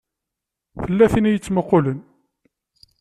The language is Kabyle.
Tella tin i yettmuqqulen.